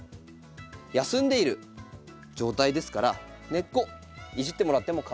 休んでいる状態ですから根っこいじってもらってもかまいません。